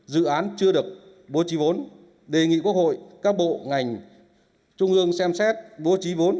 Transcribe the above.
dự án chưa được bố trí vốn đề nghị quốc hội các bộ ngành trung ương xem xét bố trí vốn